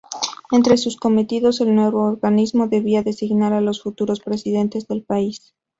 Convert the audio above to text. Entre sus cometidos, el nuevo organismo debía designar a los futuros presidentes del país.